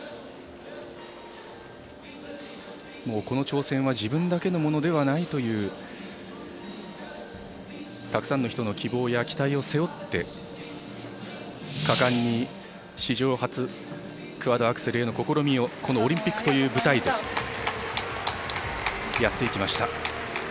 この挑戦は自分だけのものではないというたくさんの人の希望や期待を背負って果敢に史上初クアッドアクセルへの試みをこのオリンピックという舞台でやっていきました。